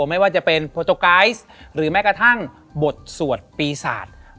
ไม่ว่าจะเป็นโปรโตไกซ์หรือแม้กระทั่งบทสวดปีศาจ